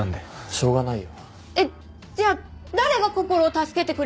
しょうがないよ。えっじゃあ誰がこころを助けてくれるの？